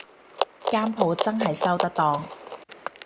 間舖真係收得檔